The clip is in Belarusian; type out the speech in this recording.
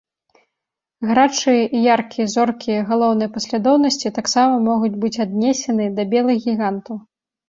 Гарачыя і яркія зоркі галоўнай паслядоўнасці таксама могуць быць аднесены да белых гігантаў.